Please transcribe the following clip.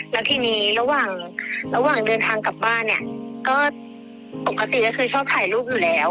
แล้วทีนี้ระหว่างระหว่างเดินทางกลับบ้านเนี่ยก็ปกติก็คือชอบถ่ายรูปอยู่แล้ว